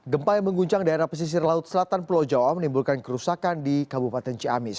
gempa yang mengguncang daerah pesisir laut selatan pulau jawa menimbulkan kerusakan di kabupaten ciamis